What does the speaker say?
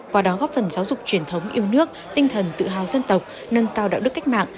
qua đó góp phần giáo dục truyền thống yêu nước tinh thần tự hào dân tộc nâng cao đạo đức cách mạng